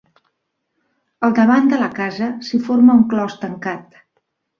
Al davant de la casa s'hi forma un clos tancat.